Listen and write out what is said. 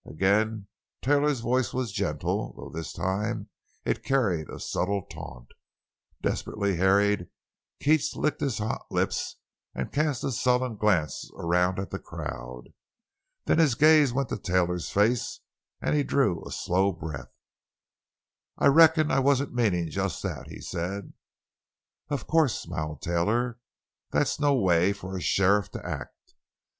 Again Taylor's voice was gentle, though this time it carried a subtle taunt. Desperately harried, Keats licked his hot lips and cast a sullen glance around at the crowd. Then his gaze went to Taylor's face, and he drew a slow breath. "I reckon I wasn't meanin' just that," he said. "Of course," smiled Taylor; "that's no way for a sheriff to act.